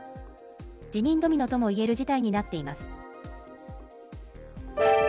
辞任ドミノともいえる事態になっています。